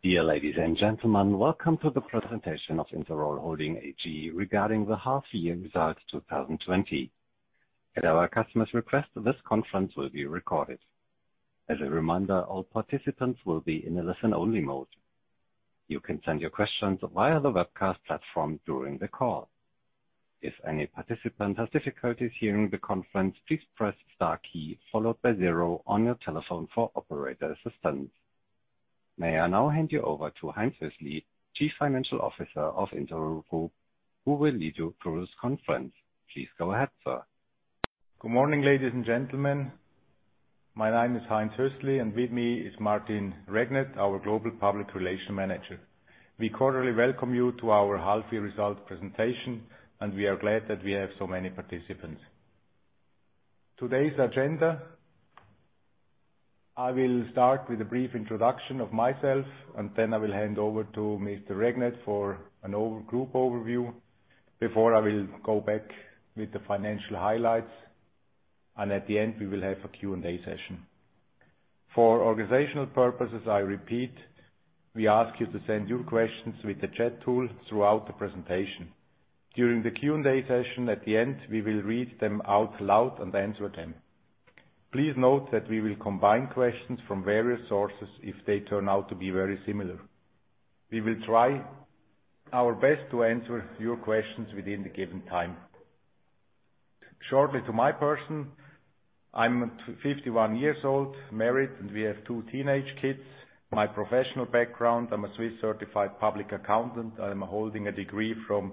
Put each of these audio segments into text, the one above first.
Dear ladies and gentlemen, welcome to the presentation of Interroll Holding AG regarding the half-year results 2020. At our customers' request, this conference will be recorded. As a reminder, all participants will be in a listen-only mode. You can send your questions via the webcast platform during the call. If any participant has difficulties hearing the conference, please press star key followed by zero on your telephone for operator assistance. May I now hand you over to Heinz Hössli, Chief Financial Officer of Interroll Group, who will lead you through this conference. Please go ahead, sir. Good morning, ladies and gentlemen. My name is Heinz Hössli, and with me is Martin Regnet, our Global Public Relations Manager. We cordially welcome you to our half-year results presentation, and we are glad that we have so many participants. Today's agenda, I will start with a brief introduction of myself, and then I will hand over to Mr. Regnet for a group overview before I will go back with the financial highlights, and at the end, we will have a Q&A session. For organizational purposes, I repeat, we ask you to send your questions with the chat tool throughout the presentation. During the Q&A session at the end, we will read them out loud and answer them. Please note that we will combine questions from various sources if they turn out to be very similar. We will try our best to answer your questions within the given time. Shortly to my person, I'm 51 years old, married, and we have two teenage kids. My professional background, I'm a Swiss Certified Public Accountant. I am holding a degree from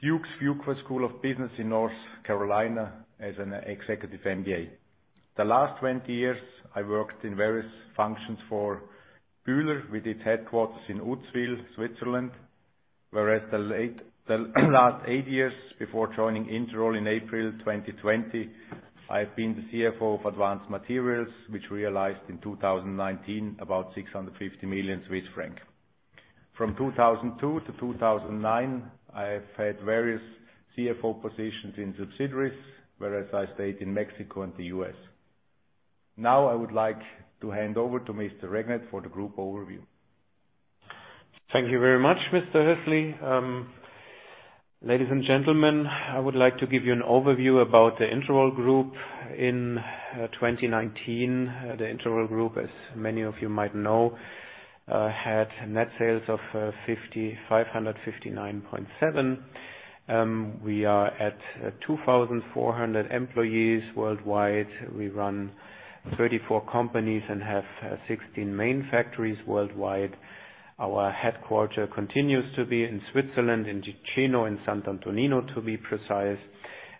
Duke's Fuqua School of Business in North Carolina as an Executive MBA. The last 20 years, I worked in various functions for Bühler with its headquarters in Uzwil, Switzerland. Whereas the last eight years before joining Interroll in April 2020, I've been the CFO of Advanced Materials, which realized in 2019 about CHF 650 million. From 2002-2009, I have had various CFO positions in subsidiaries, whereas I stayed in Mexico and the U.S. Now I would like to hand over to Mr. Regnet for the group overview. Thank you very much, Mr. Hössli. Ladies and gentlemen, I would like to give you an overview about the Interroll Group. In 2019, the Interroll Group, as many of you might know, had net sales of 559.7 million. We are at 2,400 employees worldwide. We run 34 companies and have 16 main factories worldwide. Our headquarter continues to be in Switzerland, in Ticino, in Sant'Antonino, to be precise.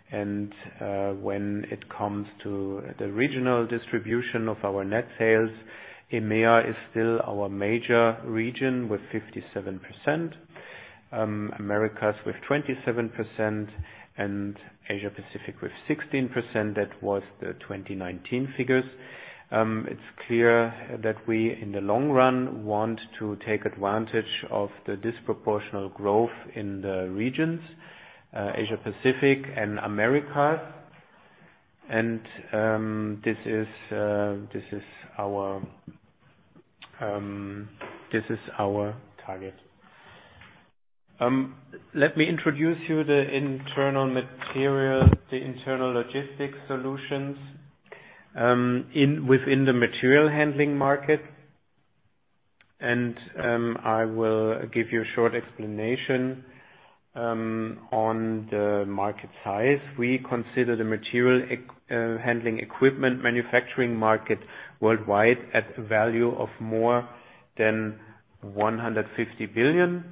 When it comes to the regional distribution of our net sales, EMEA is still our major region with 57%, Americas with 27%, and Asia Pacific with 16%. That was the 2019 figures. It's clear that we, in the long run, want to take advantage of the disproportional growth in the regions, Asia Pacific and Americas. This is our target. Let me introduce you the Interroll material, the Interroll logistics solutions within the material handling market. I will give you a short explanation on the market size. We consider the material handling equipment manufacturing market worldwide at a value of more than 150 billion,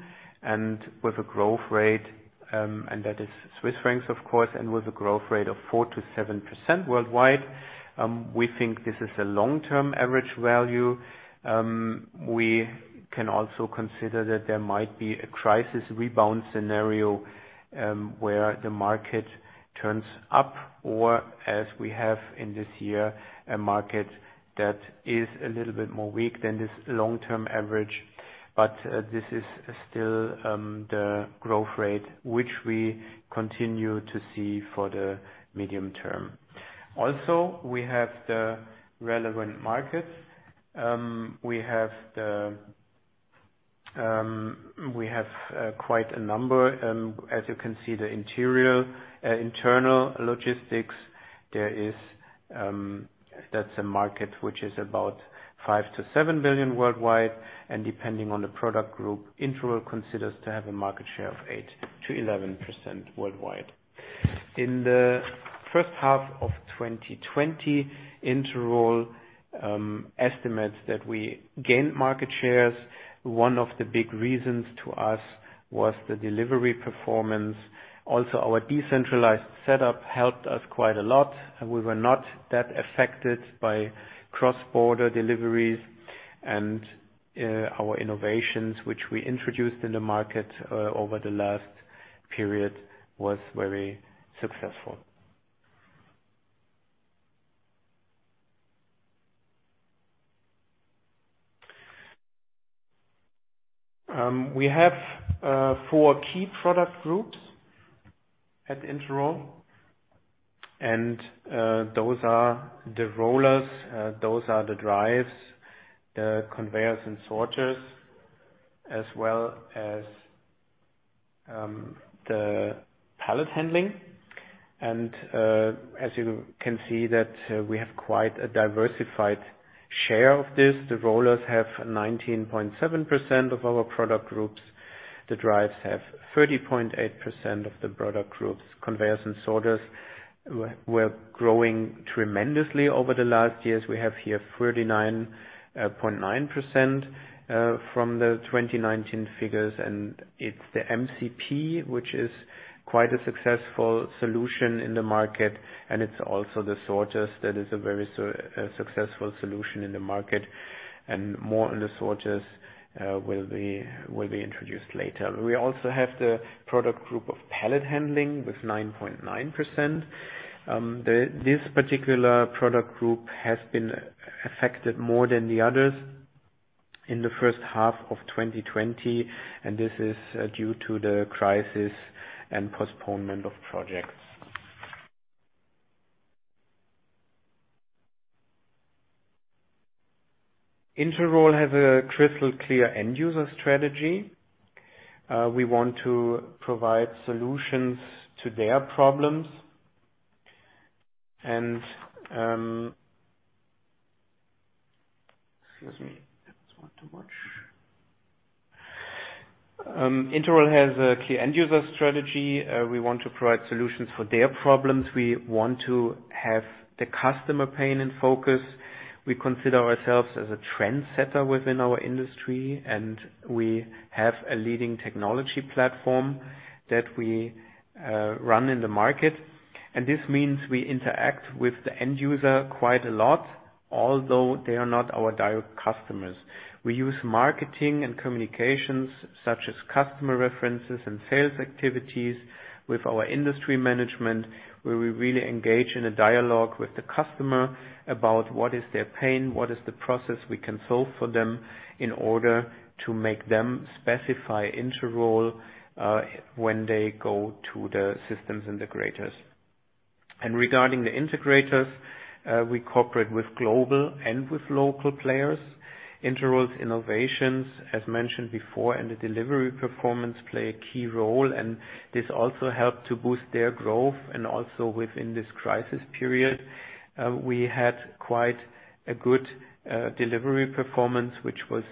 and that is CHF, of course, and with a growth rate of 4%-7% worldwide. We think this is a long-term average value. We can also consider that there might be a crisis rebound scenario, where the market turns up, or as we have in this year, a market that is a little bit more weak than this long-term average. This is still the growth rate, which we continue to see for the medium term. Also, we have the relevant markets. We have quite a number. As you can see, the internal logistics, that's a market which is about 5 billion-7 billion worldwide. Depending on the product group, Interroll considers to have a market share of 8%-11% worldwide. In the first half of 2020, Interroll estimates that we gained market shares. One of the big reasons to us was the delivery performance. Our decentralized setup helped us quite a lot. We were not that affected by cross-border deliveries. Our innovations, which we introduced in the market over the last period, was very successful. We have four key product groups at Interroll. Those are the rollers, those are the drives, the conveyors and sorters, as well as the pallet handling. As you can see that we have quite a diversified share of this. The rollers have 19.7% of our product groups. The drives have 30.8% of the product groups. Conveyors and sorters were growing tremendously over the last years. We have here 39.9%, from the 2019 figures. It's the MCP, which is quite a successful solution in the market. It's also the sorters that is a very successful solution in the market. More on the sorters will be introduced later. We also have the product group of pallet handling with 9.9%. This particular product group has been affected more than the others in the first half of 2020. This is due to the crisis and postponement of projects. Interroll has a crystal clear end-user strategy. We want to provide solutions to their problems. Excuse me. That was one too much. Interroll has a clear end-user strategy. We want to provide solutions for their problems. We want to have the customer pain in focus. We consider ourselves as a trendsetter within our industry, and we have a leading technology platform that we run in the market. This means we interact with the end user quite a lot, although they are not our direct customers. We use marketing and communications such as customer references and sales activities with our industry management, where we really engage in a dialogue with the customer about what is their pain, what is the process we can solve for them in order to make them specify Interroll, when they go to the systems integrators. Regarding the integrators, we cooperate with global and with local players. Interroll's innovations, as mentioned before, and the delivery performance play a key role, and this also helped to boost their growth. Also within this crisis period, we had quite a good delivery performance, which was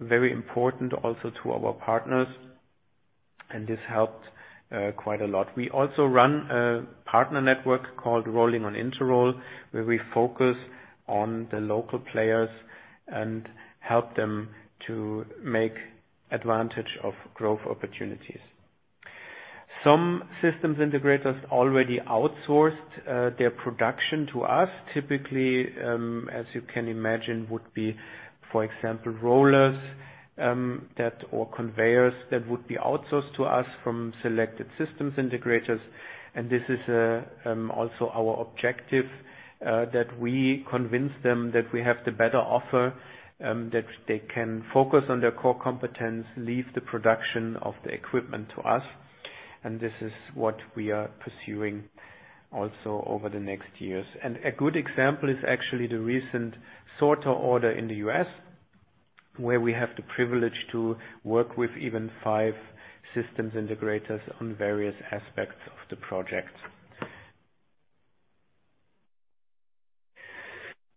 very important also to our partners, and this helped quite a lot. We also run a partner network called Rolling on Interroll, where we focus on the local players and help them to make advantage of growth opportunities. Some systems integrators already outsourced their production to us. Typically, as you can imagine, would be, for example, rollers, or conveyors that would be outsourced to us from selected systems integrators. This is also our objective, that we convince them that we have the better offer, that they can focus on their core competence, leave the production of the equipment to us, and this is what we are pursuing also over the next years. A good example is actually the recent sorter order in the U.S., where we have the privilege to work with even five systems integrators on various aspects of the project.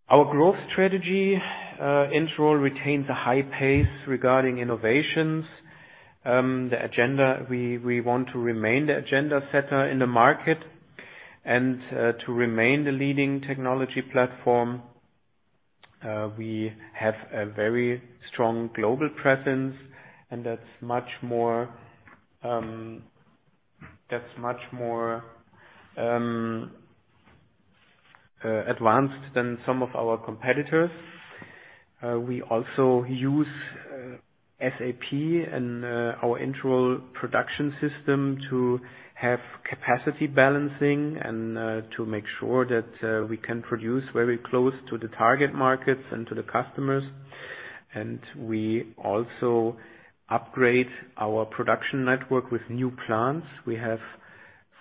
Our growth strategy, Interroll retains a high pace regarding innovations. We want to remain the agenda setter in the market and to remain the leading technology platform. We have a very strong global presence, and that's much more advanced than some of our competitors. We also use SAP and our Interroll Production System to have capacity balancing and to make sure that we can produce very close to the target markets and to the customers. We also upgrade our production network with new plants. We have,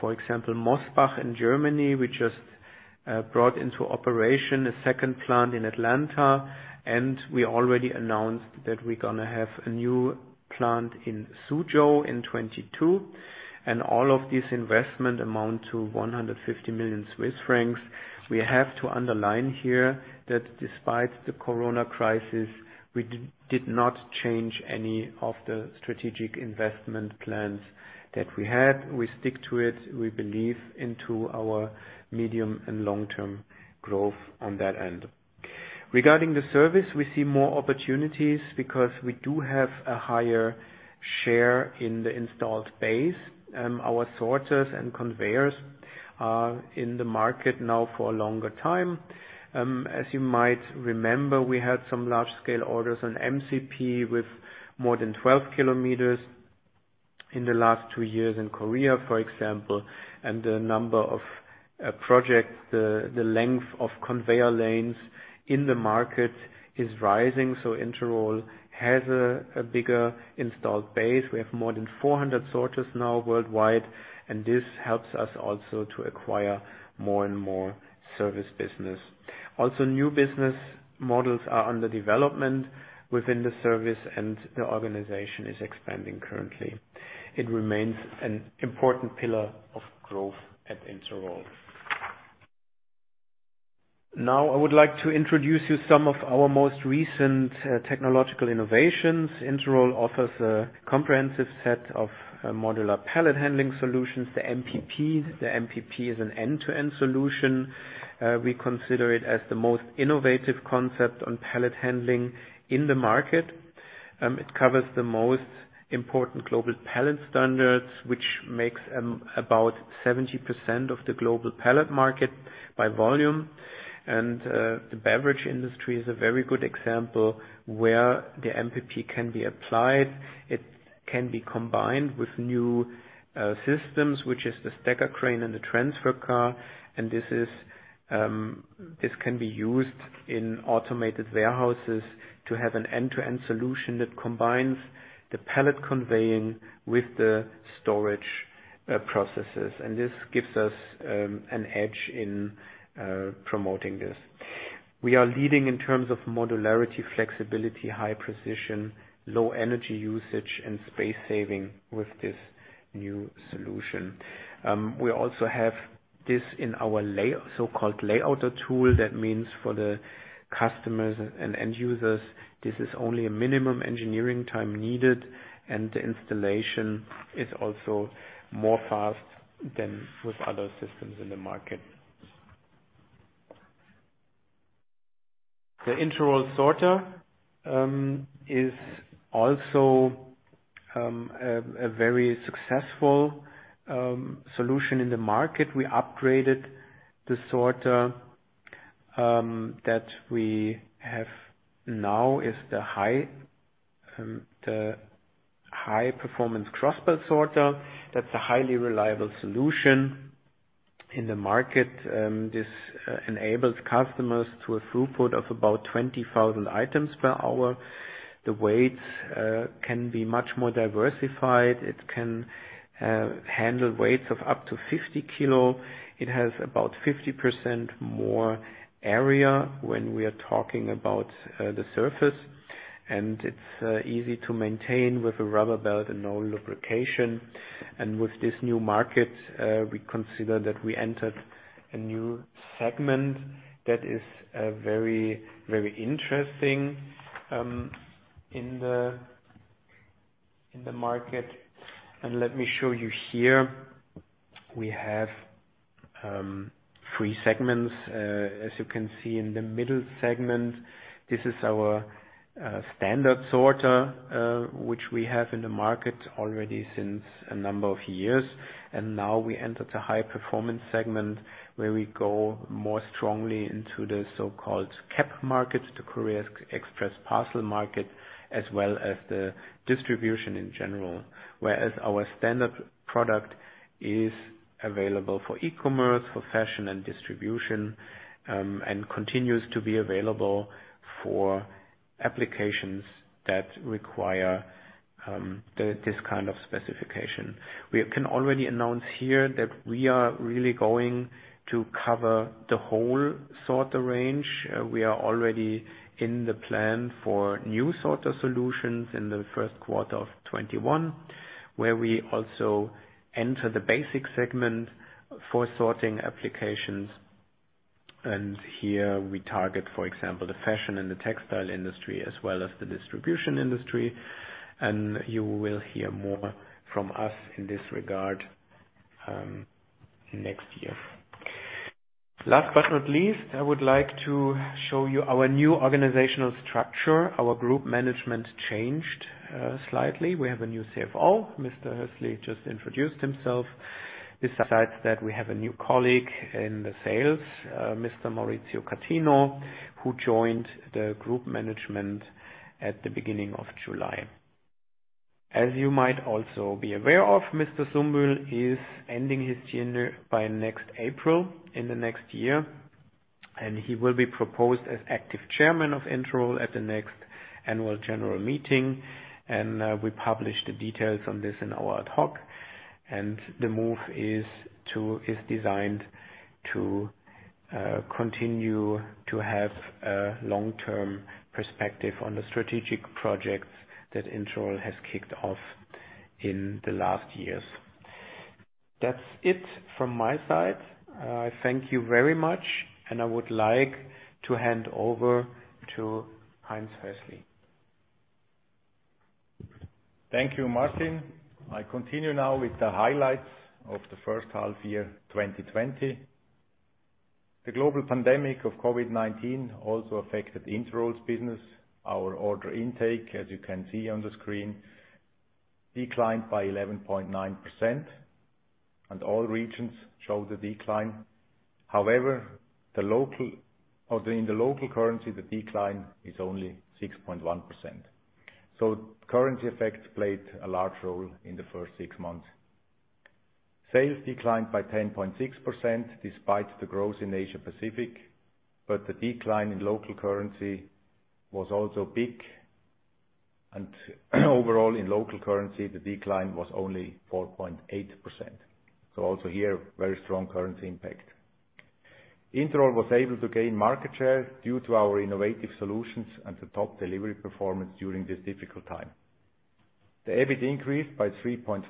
for example, Mosbach in Germany. We just brought into operation a second plant in Atlanta, and we already announced that we're going to have a new plant in Suzhou in 2022. All of this investment amount to 150 million Swiss francs. We have to underline here that despite the Corona crisis, we did not change any of the strategic investment plans that we had. We stick to it. We believe into our medium and long-term growth on that end. Regarding the service, we see more opportunities because we do have a higher share in the installed base. Our sorters and conveyors are in the market now for a longer time. As you might remember, we had some large-scale orders on MCP with more than 12 km in the last two years in Korea, for example, and the number of projects, the length of conveyor lanes in the market is rising, so Interroll has a bigger installed base. We have more than 400 sorters now worldwide, and this helps us also to acquire more and more service business. New business models are under development within the service, and the organization is expanding currently. It remains an important pillar of growth at Interroll. I would like to introduce you some of our most recent technological innovations. Interroll offers a comprehensive set of modular pallet handling solutions, the MPP. The MPP is an end-to-end solution. We consider it as the most innovative concept on pallet handling in the market. It covers the most important global pallet standards, which makes about 70% of the global pallet market by volume. The beverage industry is a very good example where the MPP can be applied. It can be combined with new systems, which is the stacker crane and the transfer car. This can be used in automated warehouses to have an end-to-end solution that combines the pallet conveying with the storage processes. This gives us an edge in promoting this. We are leading in terms of modularity, flexibility, high precision, low energy usage, and space saving with this new solution. We also have this in our so-called Interroll Layouter tool. That means for the customers and end users, this is only a minimum engineering time needed, and the installation is also more fast than with other systems in the market. The Interroll sorter is also a very successful solution in the market. We upgraded the sorter. That we have now is the High-Performance Crossbelt Sorter, that's a highly reliable solution in the market. This enables customers to a throughput of about 20,000 items per hour. The weights can be much more diversified. It can handle weights of up to 50 kg. It has about 50% more area when we are talking about the surface, it's easy to maintain with a rubber belt and no lubrication. With this new market, we consider that we entered a new segment that is very interesting in the market. Let me show you here we have three segments. As you can see in the middle segment, this is our standard sorter, which we have in the market already since a number of years. Now we entered a high-performance segment where we go more strongly into the so-called CEP market, the Courier, Express, and Parcel market, as well as the distribution in general, whereas our standard product is available for e-commerce, for fashion and distribution, and continues to be available for applications that require this kind of specification. We can already announce here that we are really going to cover the whole sorter range. We are already in the plan for new sorter solutions in the first quarter of 2021, where we also enter the basic segment for sorting applications. Here we target, for example, the fashion and the textile industry, as well as the distribution industry. You will hear more from us in this regard next year. Last but not least, I would like to show you our new organizational structure. Our group management changed slightly. We have a new CFO, Mr. Hössli just introduced himself. Besides that, we have a new colleague in the sales, Mr. Maurizio Catino, who joined the group management at the beginning of July. As you might also be aware of, Mr. Zumbühl is ending his tenure by next April in the next year, he will be proposed as active chairman of Interroll at the next annual general meeting. We publish the details on this in our ad hoc. The move is designed to continue to have a long-term perspective on the strategic projects that Interroll has kicked off in the last years. That's it from my side. Thank you very much, and I would like to hand over to Heinz Hössli. Thank you, Martin. I continue now with the highlights of the first half year 2020. The global pandemic of COVID-19 also affected Interroll's business. Our order intake, as you can see on the screen, declined by 11.9%. All regions show the decline. However, in the local currency, the decline is only 6.1%. Currency effects played a large role in the first six months. Sales declined by 10.6%, despite the growth in Asia Pacific, but the decline in local currency was also big, and overall in local currency, the decline was only 4.8%. Also here, very strong currency impact. Interroll was able to gain market share due to our innovative solutions and the top delivery performance during this difficult time. The EBIT increased by 3.5%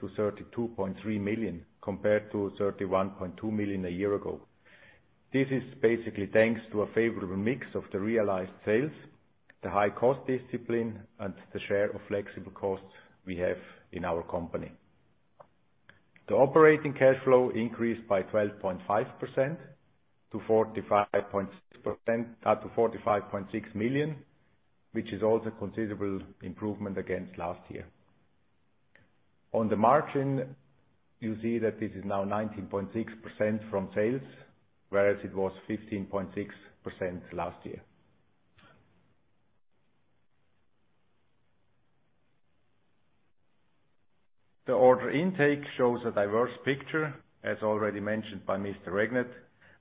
to 32.3 million, compared to 31.2 million a year ago. This is basically thanks to a favorable mix of the realized sales, the high cost discipline, and the share of flexible costs we have in our company. The operating cash flow increased by 12.5% to 45.6 million, which is also considerable improvement against last year. On the margin, you see that this is now 19.6% from sales, whereas it was 15.6% last year. The order intake shows a diverse picture, as already mentioned by Mr. Regnet.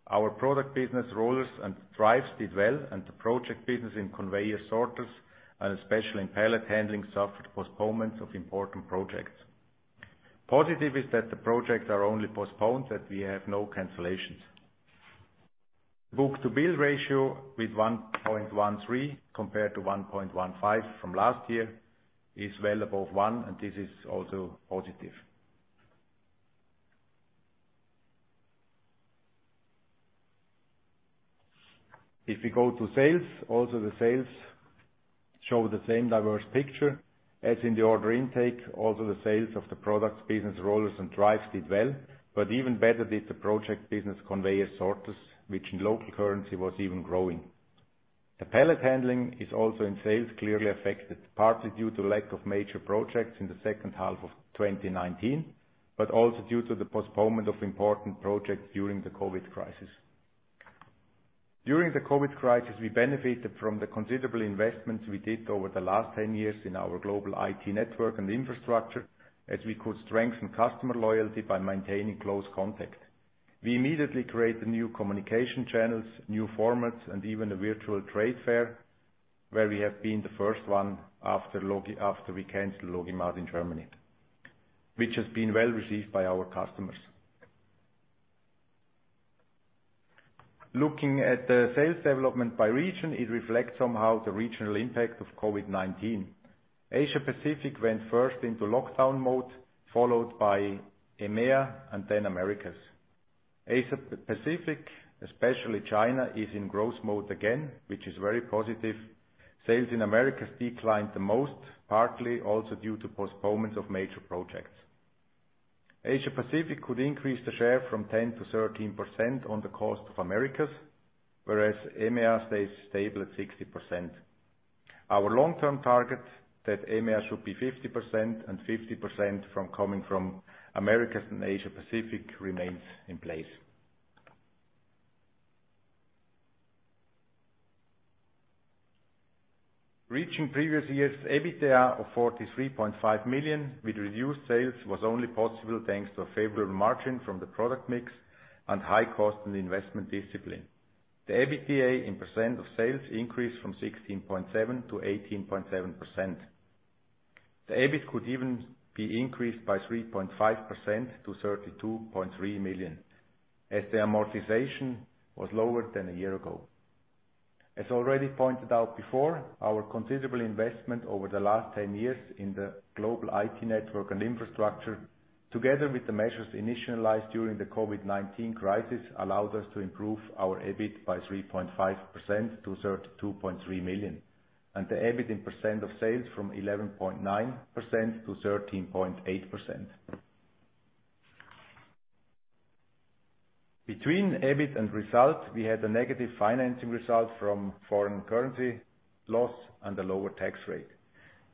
Our product business rollers and drives did well, and the project business in conveyor sorters and especially in pallet handling suffered postponements of important projects. Positive is that the projects are only postponed, that we have no cancellations. Book-to-bill ratio with 1.13 compared to 1.15 from last year is well above one, and this is also positive. If we go to sales, also the sales show the same diverse picture. As in the order intake, also the sales of the products business rollers and drives did well, but even better did the project business conveyor sorters, which in local currency was even growing. The pallet handling is also in sales clearly affected, partly due to lack of major projects in the second half of 2019, but also due to the postponement of important projects during the COVID crisis. During the COVID crisis, we benefited from the considerable investments we did over the last 10 years in our global IT network and infrastructure, as we could strengthen customer loyalty by maintaining close contact. We immediately created new communication channels, new formats, and even a virtual trade fair, where we have been the first one after we canceled LogiMAT in Germany, which has been well received by our customers. Looking at the sales development by region, it reflects somehow the regional impact of COVID-19. Asia-Pacific went first into lockdown mode, followed by EMEA and then Americas. Asia-Pacific, especially China, is in growth mode again, which is very positive. Sales in Americas declined the most, partly also due to postponements of major projects. Asia-Pacific could increase the share from 10% to 13% on the cost of Americas, whereas EMEA stays stable at 60%. Our long-term target that EMEA should be 50% and 50% coming from Americas and Asia-Pacific remains in place. Reaching previous year's EBITDA of 43.5 million with reduced sales was only possible thanks to a favorable margin from the product mix and high cost and investment discipline. The EBITDA in percent of sales increased from 16.7% to 18.7%. The EBIT could even be increased by 3.5% to 32.3 million, as the amortization was lower than a year ago. As already pointed out before, our considerable investment over the last 10 years in the global IT network and infrastructure, together with the measures initialized during the COVID-19 crisis, allowed us to improve our EBIT by 3.5% to 32.3 million, and the EBIT in percent of sales from 11.9% to 13.8%. Between EBIT and result, we had a negative financing result from foreign currency loss and a lower tax rate.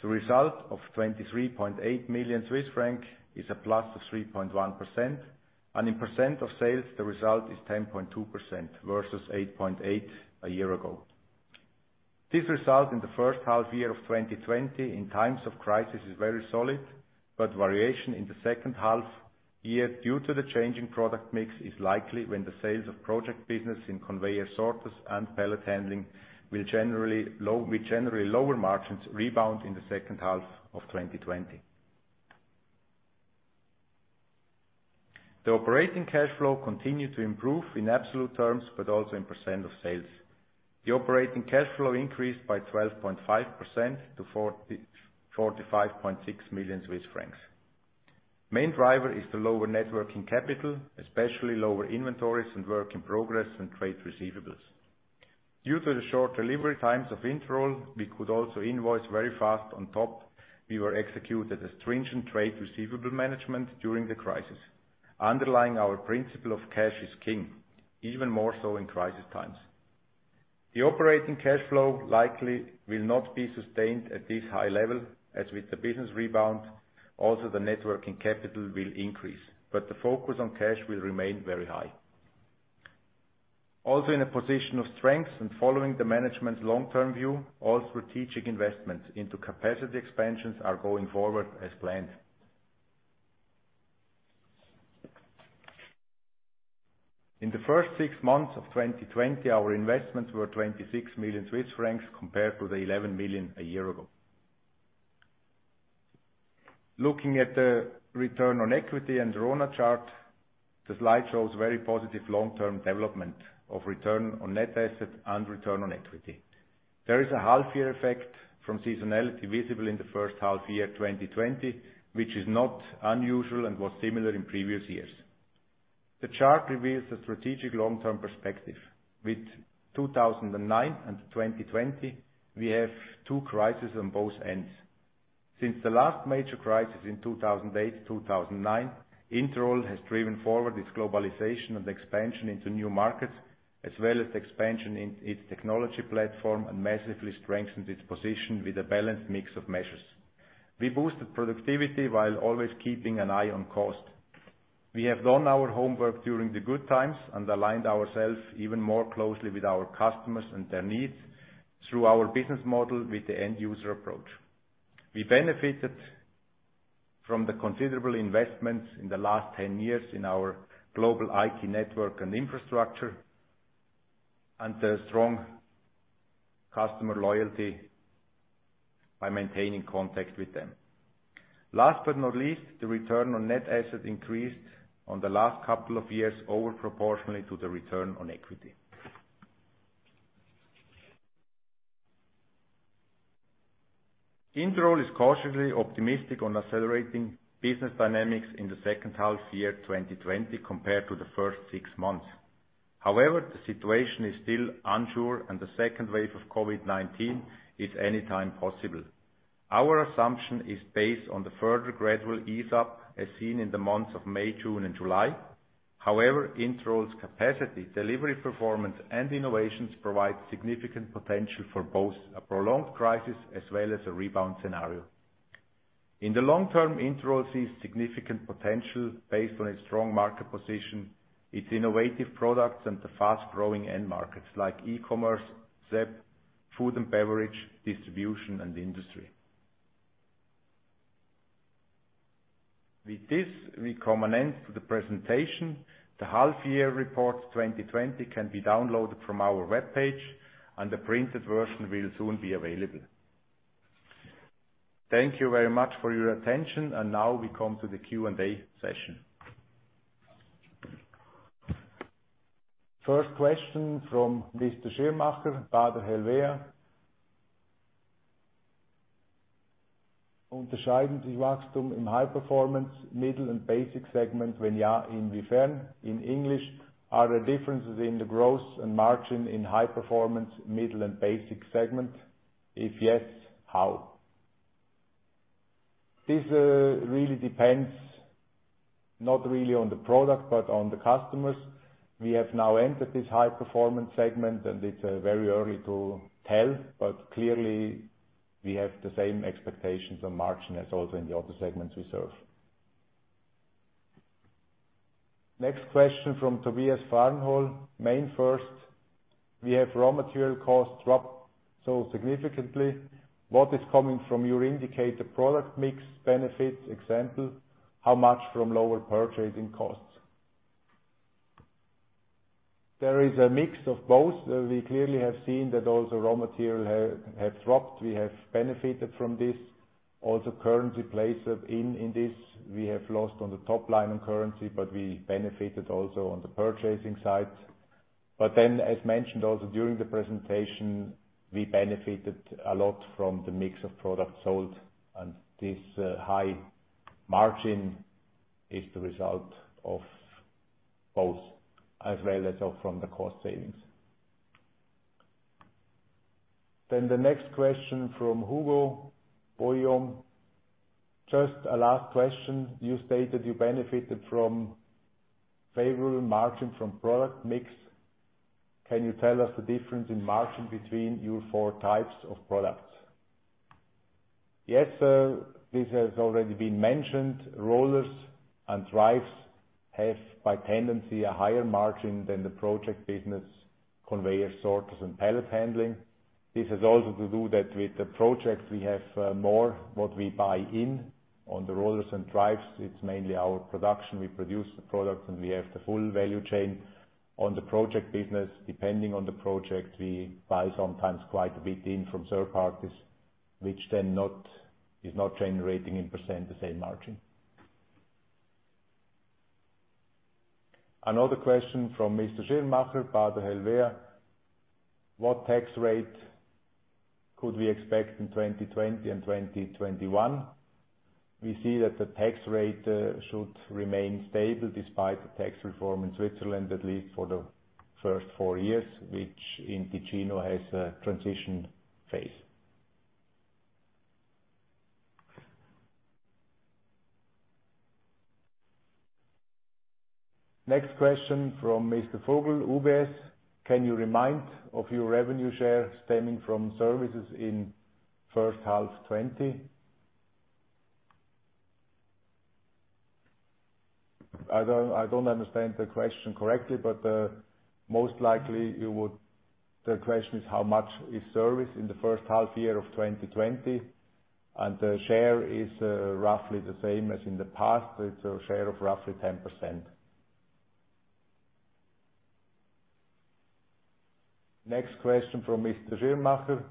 The result of 23.8 million Swiss francs is a plus of 3.1%, and in percent of sales, the result is 10.2% versus 8.8% a year ago. This result in the first half year of 2020 in times of crisis is very solid. Variation in the second half year due to the changing product mix is likely when the sales of project business in conveyor sorters and pallet handling, with generally lower margins rebound in the second half of 2020. The operating cash flow continued to improve in absolute terms, but also in percent of sales. The operating cash flow increased by 12.5% to 45.6 million Swiss francs. Main driver is the lower net working capital, especially lower inventories and work in progress and trade receivables. Due to the short delivery times of Interroll, we could also invoice very fast. On top, we were executed a stringent trade receivable management during the crisis, underlying our principle of cash is king, even more so in crisis times. The operating cash flow likely will not be sustained at this high level, as with the business rebound, also the net working capital will increase. The focus on cash will remain very high. In a position of strength and following the management's long-term view, all strategic investments into capacity expansions are going forward as planned. In the first six months of 2020, our investments were 26 million Swiss francs compared to the 11 million a year ago. Looking at the return on equity and the RoNA chart, the slide shows very positive long-term development of return on net assets and return on equity. There is a half-year effect from seasonality visible in the first half year 2020, which is not unusual and was similar in previous years. The chart reveals a strategic long-term perspective. With 2009 and 2020, we have two crises on both ends. Since the last major crisis in 2008-2009, Interroll has driven forward its globalization and expansion into new markets, as well as expansion in its technology platform, and massively strengthened its position with a balanced mix of measures. We boosted productivity while always keeping an eye on cost. We have done our homework during the good times and aligned ourselves even more closely with our customers and their needs through our business model with the end user approach. We benefited from the considerable investments in the last 10 years in our global IT network and infrastructure, and the strong customer loyalty by maintaining contact with them. Last but not least, the return on net assets increased on the last couple of years over proportionally to the return on equity. Interroll is cautiously optimistic on accelerating business dynamics in the second half year 2020 compared to the first six months. However, the situation is still unsure and the second wave of COVID-19 is anytime possible. Our assumption is based on the further gradual ease up as seen in the months of May, June, and July. However, Interroll's capacity, delivery performance, and innovations provide significant potential for both a prolonged crisis as well as a rebound scenario. In the long term, Interroll sees significant potential based on its strong market position, its innovative products, and the fast-growing end markets like e-commerce, CEP, food and beverage, distribution, and industry. With this, we come an end to the presentation. The half-year report 2020 can be downloaded from our webpage, and the printed version will soon be available. Thank you very much for your attention, and now we come to the Q&A session. First question from Mr. Schirmacher, Baader Helvea. In English, are there differences in the growth and margin in high performance, middle, and basic segment? If yes, how? This really depends not really on the product, but on the customers. We have now entered this high performance segment, it's very early to tell, but clearly we have the same expectations on margin as also in the other segments we serve. Next question from Tobias Fahrenholz, MainFirst. We have raw material costs drop so significantly. What is coming from your indicator product mix benefits example? How much from lower purchasing costs? There is a mix of both. We clearly have seen that also raw material have dropped. We have benefited from this. Currency plays in this. We have lost on the top line on currency, we benefited also on the purchasing side. As mentioned also during the presentation, we benefited a lot from the mix of product sold, this high margin is the result of both, as well as from the cost savings. The next question from [Hugo Boyom]. Just a last question. You stated you benefited from favorable margin from product mix. Can you tell us the difference in margin between your four types of products? Yes. This has already been mentioned. Rollers and drives have, by tendency, a higher margin than the project business conveyor sorters and pallet handling. This has also to do that with the projects we have more what we buy in. On the rollers and drives, it's mainly our production. We produce the products, and we have the full value chain. On the project business, depending on the project, we buy sometimes quite a bit in from third parties, which then is not generating in percent the same margin. Another question from Mr. Schirmacher, Baader Helvea. What tax rate could we expect in 2020 and 2021? We see that the tax rate should remain stable despite the tax reform in Switzerland, at least for the first four years, which in Ticino has a transition phase. Next question from Mr. Vogel, UBS. Can you remind of your revenue share stemming from services in first half 2020? Most likely, the question is how much is service in the first half year of 2020. The share is roughly the same as in the past. It's a share of roughly 10%. Next question from Mr. Schirmacher.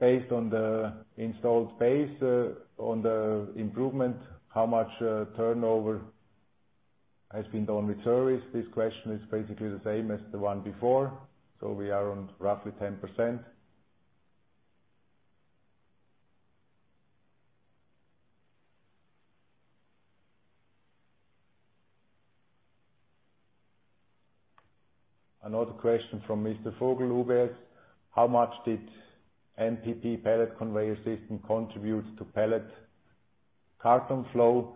Based on the installed base, on the improvement, how much turnover has been done with service? This question is basically the same as the one before. We are on roughly 10%. Another question from Mr. Vogel, UBS. How much did MPP pallet conveyor system contribute to pallet carton flow?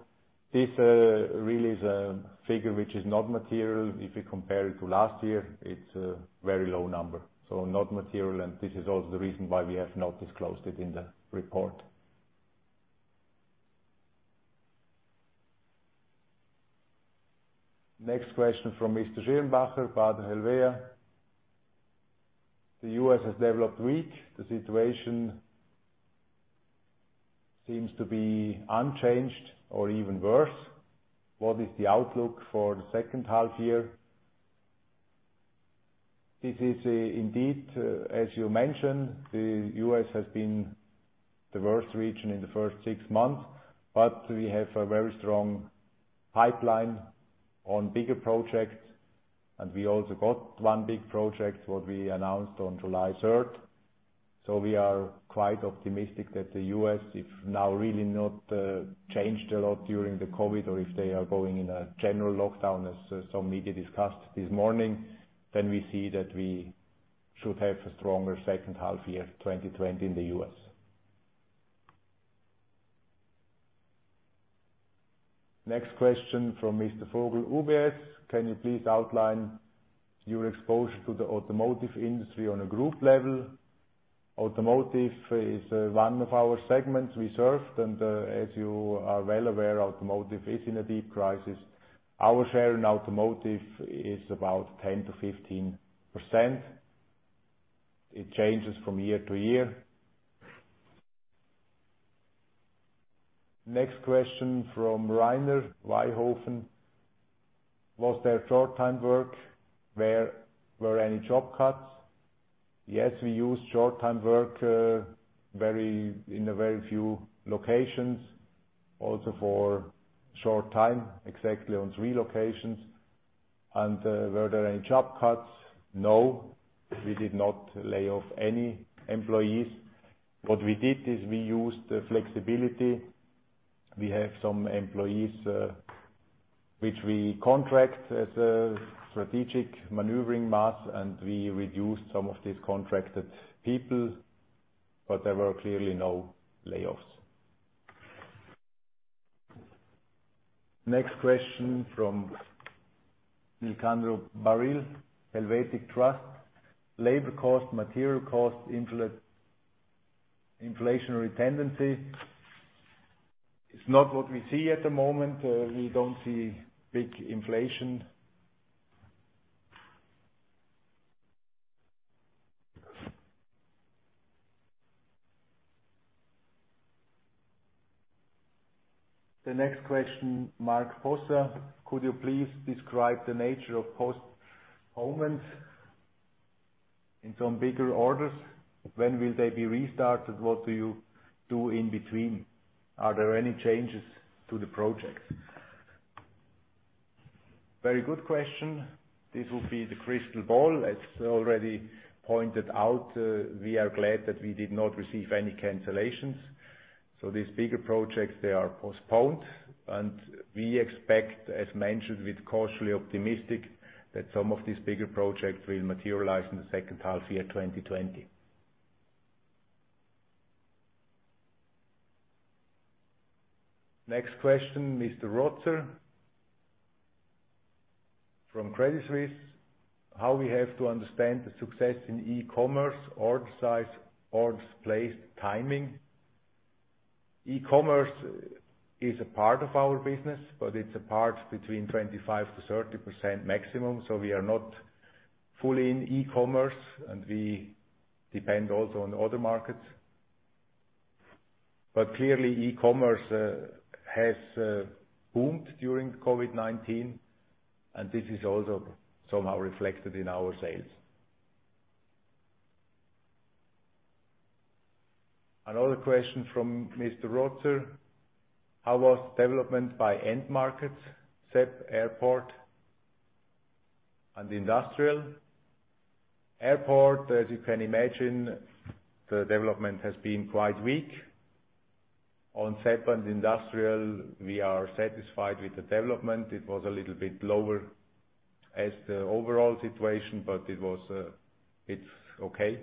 This really is a figure which is not material. If you compare it to last year, it's a very low number, so not material, and this is also the reason why we have not disclosed it in the report. Next question from Mr. Schirmacher, Baader Helvea. The U.S. has developed weak. The situation seems to be unchanged or even worse. What is the outlook for the second half year? This is indeed, as you mentioned, the U.S. has been the worst region in the first six months, but we have a very strong pipeline on bigger projects, and we also got one big project, what we announced on July 3rd. We are quite optimistic that the U.S., if now really not changed a lot during the COVID or if they are going in a general lockdown as some media discussed this morning, then we see that we should have a stronger second half year 2020 in the U.S. Next question from Mr. Vogel, UBS. Can you please outline your exposure to the automotive industry on a group level? Automotive is one of our segments we served, and as you are well aware, automotive is in a deep crisis. Our share in automotive is about 10%-15%. It changes from year to year. Next question from [Reiner Weihofer]. Was there short time work? Were any job cuts? Yes, we used short time work in a very few locations, also for a short time, exactly on three locations. Were there any job cuts? No. We did not lay off any employees. What we did is we used flexibility. We have some employees which we contract as a strategic maneuvering mass. We reduced some of these contracted people, but there were clearly no layoffs. Next question from Nicandro Barile, Helvetic Trust. Labor cost, material cost, inflationary tendency. It's not what we see at the moment. We don't see big inflation. The next question, Mark Posser. Could you please describe the nature of postponements in some bigger orders? When will they be restarted? What do you do in between? Are there any changes to the project? Very good question. This will be the crystal ball. As already pointed out, we are glad that we did not receive any cancellations. These bigger projects, they are postponed. We expect, as mentioned, we're cautiously optimistic that some of these bigger projects will materialize in the second half year 2020. Next question, Mr. Rotter from Credit Suisse. How we have to understand the success in e-commerce, order size, orders placed, timing? E-commerce is a part of our business, but it's a part between 25%-30% maximum. We are not fully in e-commerce, and we depend also on other markets. Clearly, e-commerce has boomed during COVID-19, and this is also somehow reflected in our sales. Another question from Mr. Rotter. How was development by end markets, CEP, airport, and industrial? Airport, as you can imagine, the development has been quite weak. On CEP and industrial, we are satisfied with the development. It was a little bit lower as the overall situation, but it's okay.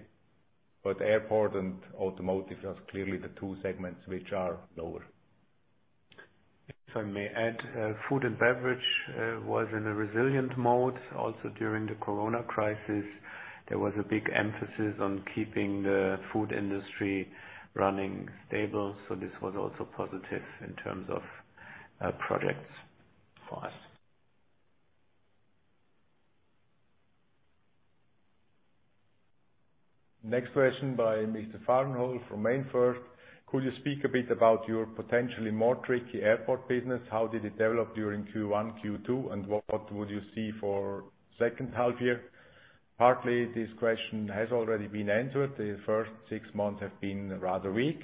Airport and automotive are clearly the two segments which are lower. If I may add, food and beverage was in a resilient mode also during the COVID crisis. There was a big emphasis on keeping the food industry running stable. This was also positive in terms of projects for us. Next question by Mr. Fahrenholz from MainFirst. Could you speak a bit about your potentially more tricky airport business? How did it develop during Q1, Q2, and what would you see for second half year? Partly, this question has already been answered. The first six months have been rather weak.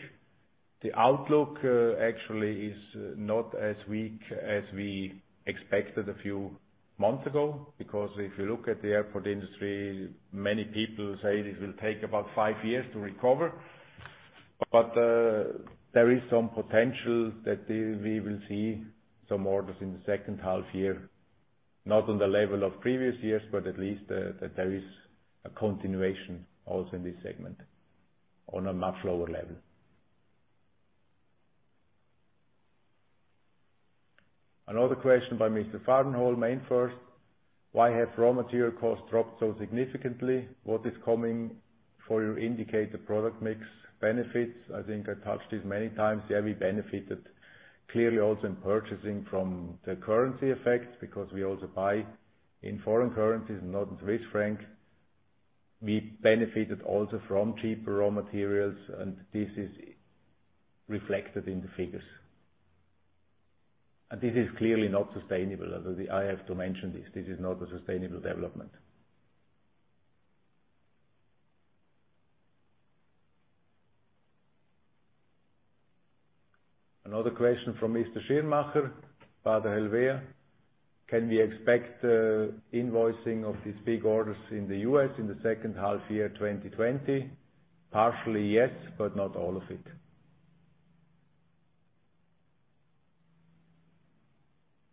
The outlook actually is not as weak as we expected a few months ago, because if you look at the airport industry, many people say it will take about five years to recover. There is some potential that we will see some orders in the second half year, not on the level of previous years, but at least that there is a continuation also in this segment on a much lower level. Another question by Mr. Fahrenholz, MainFirst. Why have raw material costs dropped so significantly? What is coming for your indicated product mix benefits? I think I touched this many times. Yeah, we benefited clearly also in purchasing from the currency effects because we also buy in foreign currencies and not in Swiss Franc. We benefited also from cheaper raw materials, this is reflected in the figures. This is clearly not sustainable. I have to mention this is not a sustainable development. Another question from Mr. Schirmacher, Baader Helvea. Can we expect invoicing of these big orders in the U.S. in the second half year 2020? Partially, yes, but not all of it.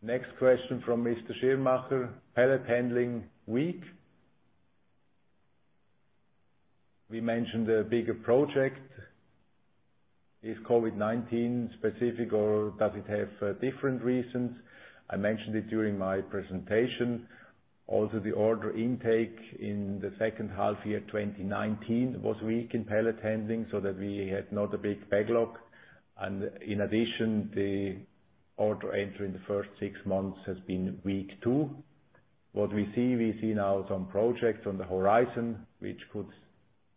Next question from Mr. Schirmacher. Pallet handling weak. We mentioned a bigger project. Is COVID-19 specific or does it have different reasons? I mentioned it during my presentation. The order intake in the second half year 2019 was weak in pallet handling, so that we had not a big backlog. In addition, the order entry in the first six months has been weak, too. What we see, we see now some projects on the horizon, which could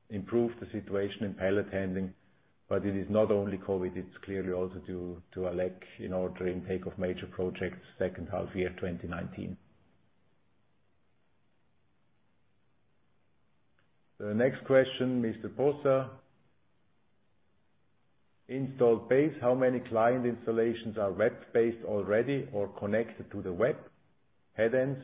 improve the situation in pallet handling, but it is not only COVID. It's clearly also due to a lack in order intake of major projects second half year 2019. The next question, Mr. Posser. Installed base, how many client installations are web-based already or connected to the web? Headends,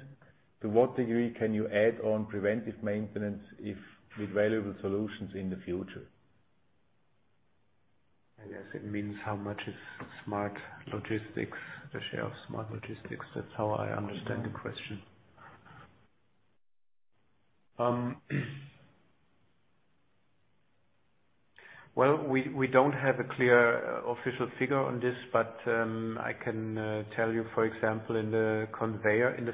to what degree can you add on preventive maintenance if with valuable solutions in the future? I guess it means how much is smart logistics, the share of smart logistics. That's how I understand the question. Well, we don't have a clear official figure on this, but I can tell you, for example, in the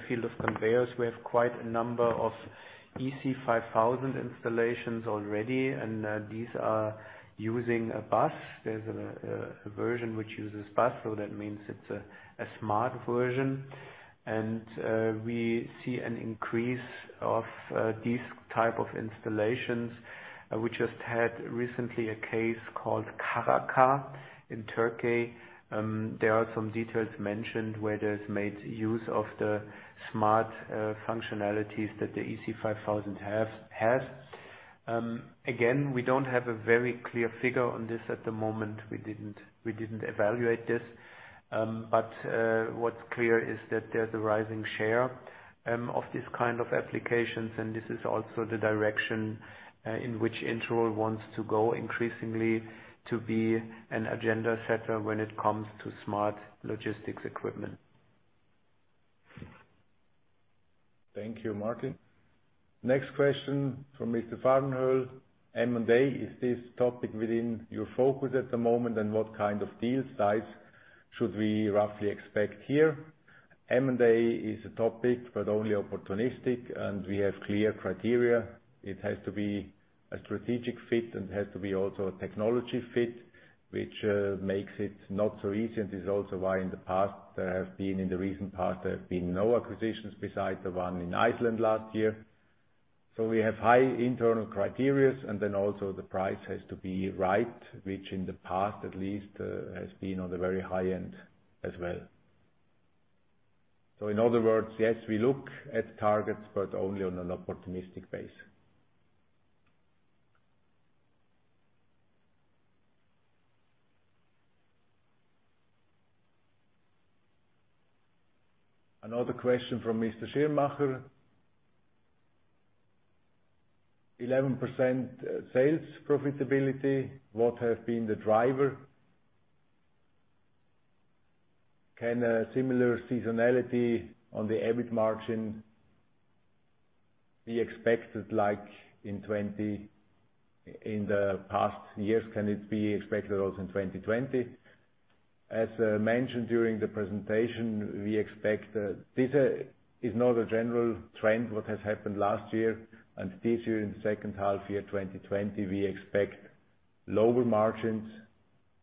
field of conveyors, we have quite a number of EC5000 installations already, and these are using a bus. That means it's a smart version. We see an increase of these type of installations. We just had recently a case called Karaca in Turkey. There are some details mentioned where there's made use of the smart functionalities that the EC5000 has. Again, we don't have a very clear figure on this at the moment. We didn't evaluate this. What's clear is that there's a rising share of this kind of applications, and this is also the direction in which Interroll wants to go increasingly to be an agenda setter when it comes to smart logistics equipment. Thank you, Martin. Next question from Mr. Fahrenholz. M&A, is this topic within your focus at the moment, and what kind of deal size should we roughly expect here? M&A is a topic, but only opportunistic, and we have clear criteria. It has to be a strategic fit and has to be also a technology fit, which makes it not so easy, and this is also why in the recent past, there have been no acquisitions besides the one in Iceland last year. We have high internal criteria, and then also the price has to be right, which in the past at least, has been on the very high end as well. In other words, yes, we look at targets, but only on an opportunistic basis. Another question from Mr. Schirmacher. 11% sales profitability. What has been the driver? Can a similar seasonality on the EBIT margin be expected like in the past years, can it be expected also in 2020? As mentioned during the presentation, this is not a general trend what has happened last year and this year in the second half year 2020, we expect lower margins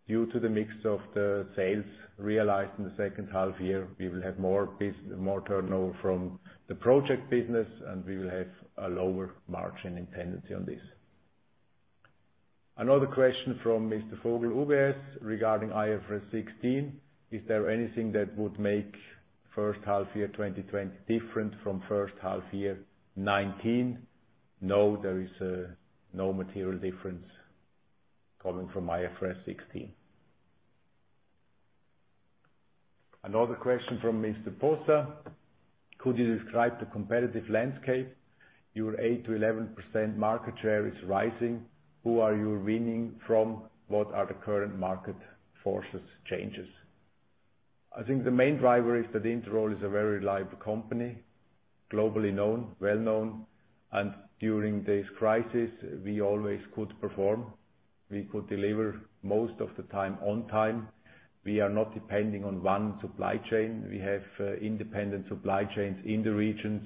due to the mix of the sales realized in the second half year. We will have more turnover from the project business, we will have a lower margin dependency on this. Another question from Mr. Vogel, UBS, regarding IFRS 16. Is there anything that would make first half year 2020 different from first half year 2019? No, there is no material difference coming from IFRS 16. Another question from Mr. Rotter. Could you describe the competitive landscape? Your 8%-11% market share is rising. Who are you winning from? What are the current market forces changes? I think the main driver is that Interroll is a very reliable company, globally known, well-known, and during this crisis, we always could perform. We could deliver most of the time on time. We are not depending on one supply chain. We have independent supply chains in the regions,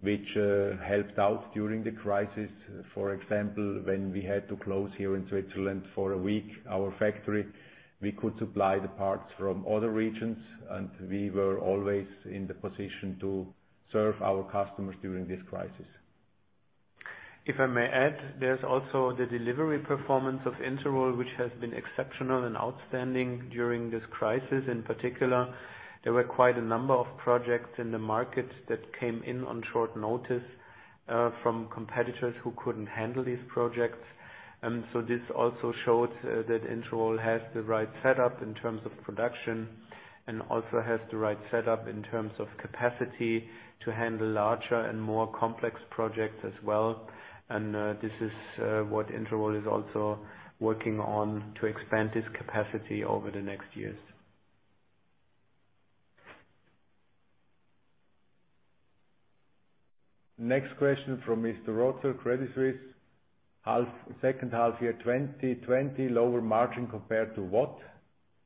which helped out during the crisis. For example, when we had to close here in Switzerland for a week, our factory, we could supply the parts from other regions, and we were always in the position to serve our customers during this crisis. If I may add, there's also the delivery performance of Interroll, which has been exceptional and outstanding during this crisis. In particular, there were quite a number of projects in the market that came in on short notice, from competitors who couldn't handle these projects. This also showed that Interroll has the right setup in terms of production and also has the right setup in terms of capacity to handle larger and more complex projects as well. This is what Interroll is also working on to expand this capacity over the next years. Next question from Mr. Rotter, Credit Suisse. Second half year 2020, lower margin compared to what?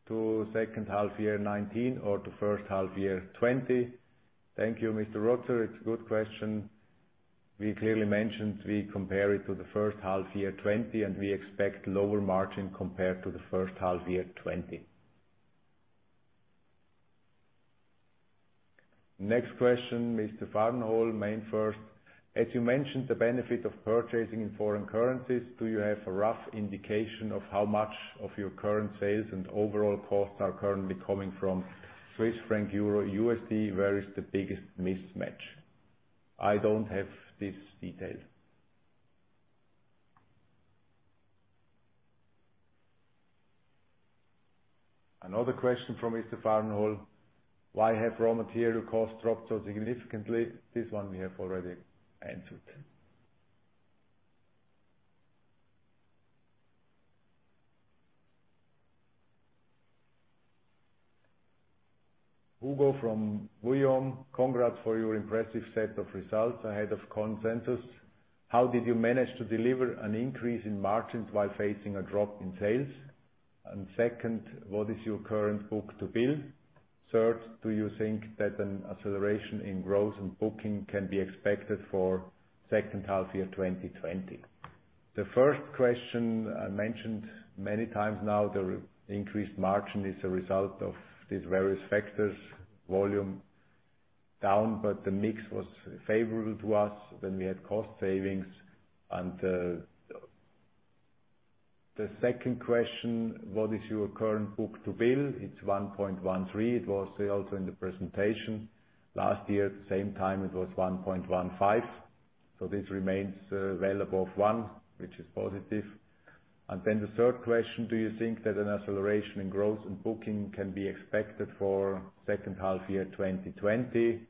To second half year 2019 or to first half year 2020? Thank you, Mr. Rotter. It's a good question. We clearly mentioned we compare it to the first half year 2020. We expect lower margin compared to the first half year 2020. Next question, Mr. Fahrenholz, MainFirst. As you mentioned, the benefit of purchasing in foreign currencies, do you have a rough indication of how much of your current sales and overall costs are currently coming from Swiss franc, Euro, USD? Where is the biggest mismatch? I don't have this detail. Another question from Mr. Fahrenholz. Why have raw material costs dropped so significantly? This one we have already answered. [Hugo from Vuillaume]. Congrats for your impressive set of results ahead of consensus. How did you manage to deliver an increase in margins while facing a drop in sales? Second, what is your current book-to-bill? Third, do you think that an acceleration in growth and booking can be expected for second half year 2020? The first question I mentioned many times now, the increased margin is a result of these various factors. Volume down, but the mix was favorable to us. We had cost savings. The second question, what is your current book-to-bill? It's 1.13. It was also in the presentation. Last year, at the same time, it was 1.15. This remains well above one, which is positive. The third question, do you think that an acceleration in growth and booking can be expected for second half year 2020?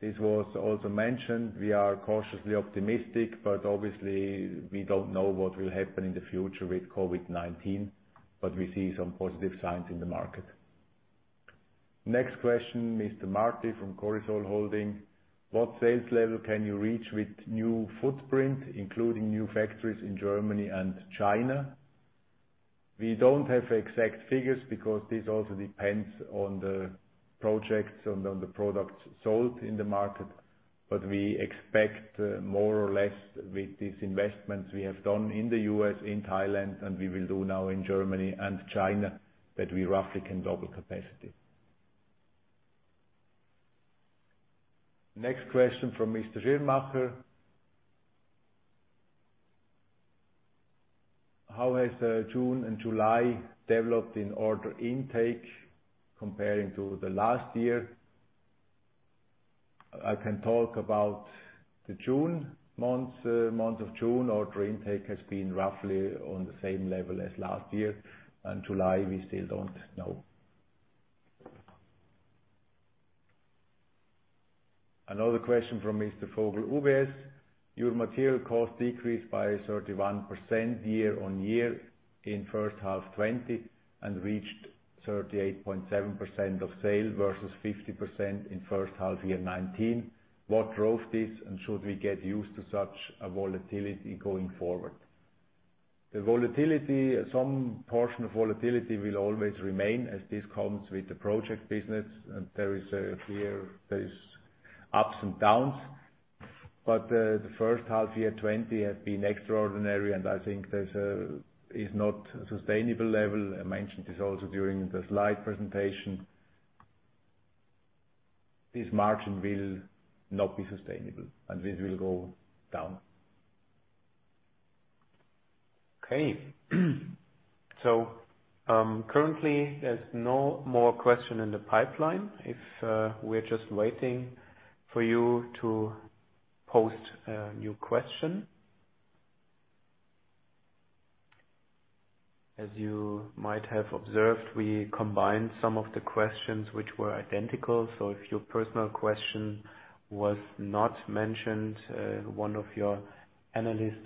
This was also mentioned. We are cautiously optimistic, obviously we don't know what will happen in the future with COVID-19, we see some positive signs in the market. Next question, Mr. Marti from Corisol Holding. What sales level can you reach with new footprint, including new factories in Germany and China? We don't have exact figures because this also depends on the projects and on the products sold in the market. We expect more or less with these investments we have done in the U.S., in Thailand, and we will do now in Germany and China, that we roughly can double capacity. Next question from Mr. Schirmacher. How has June and July developed in order intake comparing to the last year? I can talk about the month of June. Order intake has been roughly on the same level as last year. July, we still don't know. Another question from Mr. Vogel, UBS. Your material cost decreased by 31% year-over-year in first half 2020 and reached 38.7% of sale versus 50% in first half 2019. What drove this, and should we get used to such a volatility going forward? Some portion of volatility will always remain, as this comes with the project business, and there is ups and downs. The first half 2020 has been extraordinary, and I think there is not a sustainable level. I mentioned this also during the slide presentation. This margin will not be sustainable, and this will go down. Okay. Currently, there's no more question in the pipeline. We're just waiting for you to post a new question. As you might have observed, we combined some of the questions which were identical. If your personal question was not mentioned, one of your analyst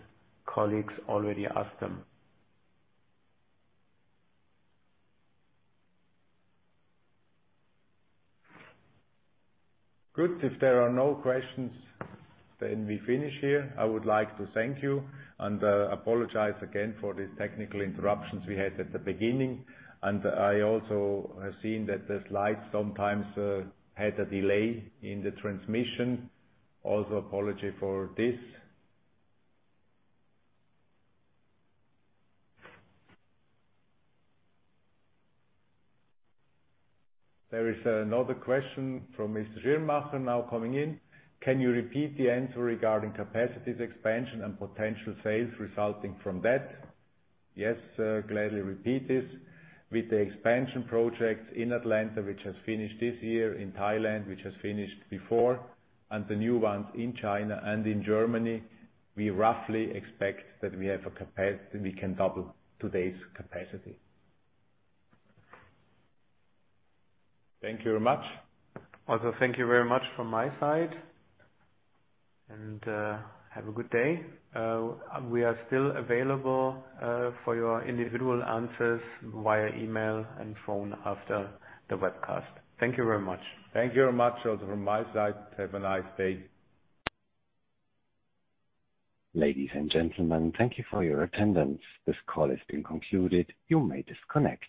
colleagues already asked them. Good. If there are no questions, we finish here. I would like to thank you and apologize again for the technical interruptions we had at the beginning. I also have seen that the slides sometimes had a delay in the transmission. Also apology for this. There is another question from Mr. Schirmacher now coming in. Can you repeat the answer regarding capacities expansion and potential sales resulting from that? Yes, gladly repeat this. With the expansion projects in Atlanta, which has finished this year, in Thailand, which has finished before, and the new ones in China and in Germany, we roughly expect that we can double today's capacity. Thank you very much. Thank you very much from my side. Have a good day. We are still available for your individual answers via email and phone after the webcast. Thank you very much. Thank you very much also from my side. Have a nice day. Ladies and gentlemen, thank you for your attendance. This call has been concluded. You may disconnect.